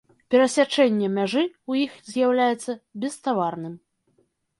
Перасячэнне мяжы ў іх з'яўляецца беставарным.